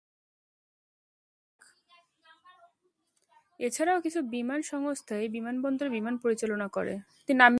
এছাড়াও কিছু বিমান সংস্থা এই বিমানবন্দরে বিমান পরিচালনা করে।